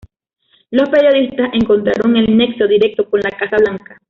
Los periodistas encontraron el nexo directo con la Casa Blanca.